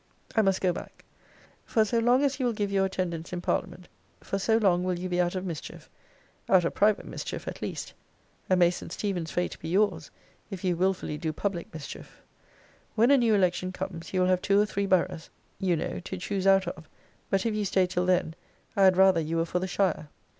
I must go back. For so long as you will give your attendance in parliament, for so long will you be out of mischief; out of private mischief, at least: and may St. Stephen's fate be your's, if you wilfully do public mischief! When a new election comes, you will have two or three boroughs, you know, to choose out of: but if you stay till then, I had rather you were for the shire.